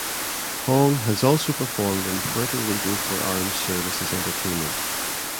Hong has also performed in Puerto Rico for Armed Services Entertainment.